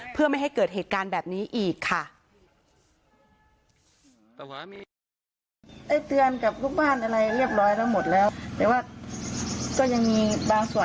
เพื่อไม่ให้เกิดเหตุการณ์แบบนี้อีกค่ะ